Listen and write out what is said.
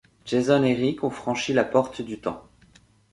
Jason et Rick ont franchi la Porte du Temps.